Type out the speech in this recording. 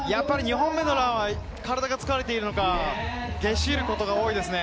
２本目のランは体が疲れているのかゲシることが多いですね。